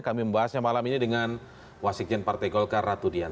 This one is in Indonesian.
kami membahasnya malam ini dengan wasikjen partai golkar ratu dian